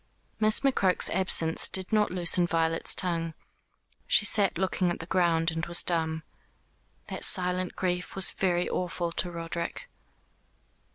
Miss McCroke's absence did not loosen Violet's tongue. She sat looking at the ground, and was dumb. That silent grief was very awful to Roderick.